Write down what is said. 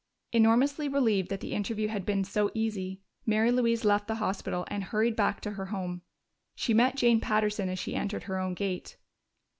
Enormously relieved that the interview had been so easy, Mary Louise left the hospital and hurried back to her home. She met Jane Patterson as she entered her own gate.